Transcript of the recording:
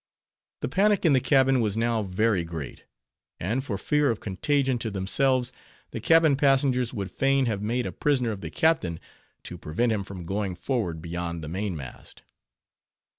The panic in the cabin was now very great; and for fear of contagion to themselves, the cabin passengers would fain have made a prisoner of the captain, to prevent him from going forward beyond the mainmast.